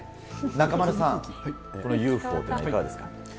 中丸さん、このＵＦＯというのはいかがですか？